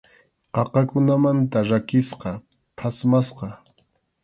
Qaqakunamanta rakisqa, phatmasqa.